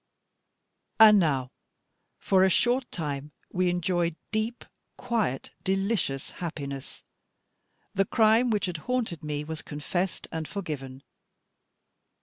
And now, for a short time, we enjoyed deep, quiet, delicious happiness. The crime which had haunted me was confessed and forgiven.